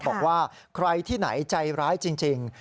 บอกว่าใครที่ไหนใจร้ายจริง